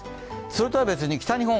それとは別に北日本